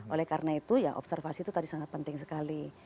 oleh karena itu ya observasi itu tadi sangat penting sekali